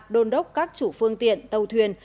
đôn đốc các chủ phương tiện tàu thuyền